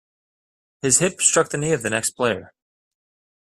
His hip struck the knee of the next player.